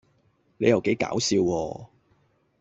你又幾搞笑喎